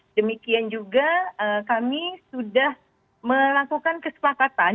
demikian juga kami sudah melakukan kesepakatan